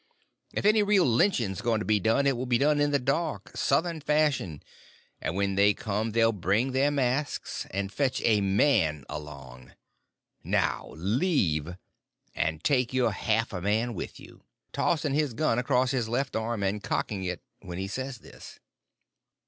If any real lynching's going to be done it will be done in the dark, Southern fashion; and when they come they'll bring their masks, and fetch a man along. Now leave—and take your half a man with you"—tossing his gun up across his left arm and cocking it when he says this.